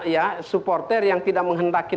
ya supporter yang tidak menghendaki